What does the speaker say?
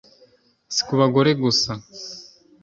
Si ku bagore gusa